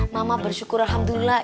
mama bersyukur alhamdulillah